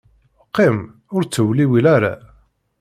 Qqim, ur ttewliwil ara.